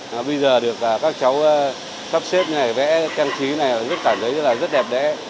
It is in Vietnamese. bây giờ được các cháu sắp xếp này vẽ trang trí này rất cảm thấy rất đẹp đẽ